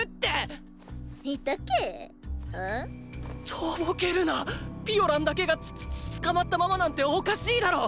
とぼけるなッピオランだけが捕まったままなんておかしいだろ！